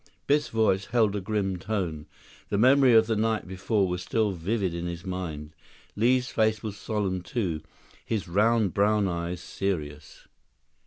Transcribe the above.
Biff's voice held a grim tone. The memory of the night before was still vivid in his mind. Li's face was solemn, too, his round brown eyes serious.